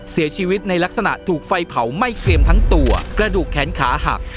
เสียชีวิตในลักษณะถูกไฟเผาไหม้เกลียมทั้งตัวกระดูกแขนขาหัก